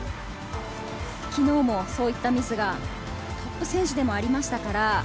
昨日もそういったミスがトップ選手でもありましたから。